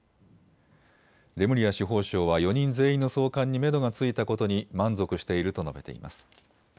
レムリア司法相は４人全員の送還にめどがついたことに満足していると述べています。